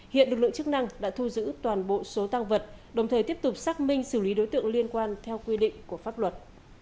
hiện lực lượng chức năng đã thu giữ toàn bộ số tăng vật đồng thời tiếp tục xác minh xử lý đối tượng liên quan theo quy định của pháp luật